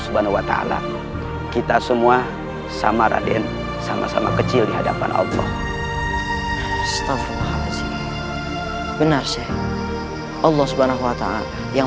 bagaimana kondisi raka sekarang